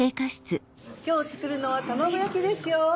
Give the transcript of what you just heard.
今日作るのは卵焼きですよ。